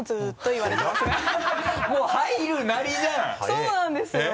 そうなんですよ。